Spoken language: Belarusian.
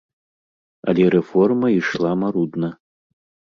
Але рэформа ішла марудна.